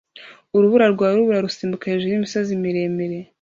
Urubura rwa rubura rusimbuka hejuru yimisozi miremire